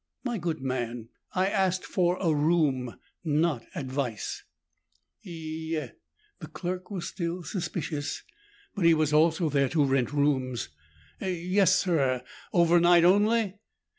"My good man! I asked for a room, not advice!" "Ye " the clerk was still suspicious but he was also there to rent rooms. "Yes, sir. Overnight only?"